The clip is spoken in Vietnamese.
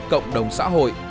cộng đồng xã hội